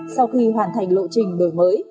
sau khi hoàn thành lộ trình đổi mới